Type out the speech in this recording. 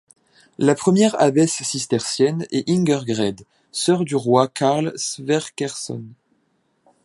La première abbesse cistercienne est Ingegerd, sœur du roi Karl Sverkersson.